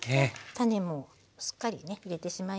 種もしっかりね入れてしまいます。